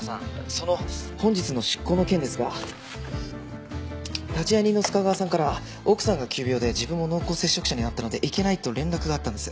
その本日の執行の件ですが立会人の須賀川さんから奥さんが急病で自分も濃厚接触者になったので行けないと連絡があったんです。